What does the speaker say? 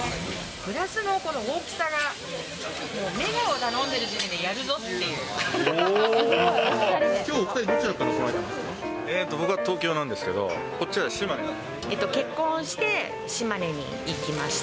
グラスのこの大きさが、もうメガを頼んでる時点で、きょう、お２人、どちらから僕は東京なんですけど、結婚して、島根に行きました。